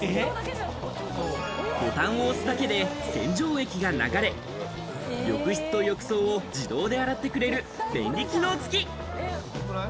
ボタンを押すだけで洗浄液が流れ、浴室と浴槽を自動で洗ってくれる便利機能付き。